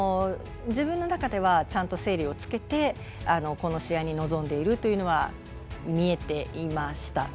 自分の中ではちゃんと整理をつけてこの試合に臨んでいると見えていました。